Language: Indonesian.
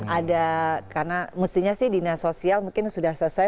ada karena mestinya sih dinas sosial mungkin sudah selesai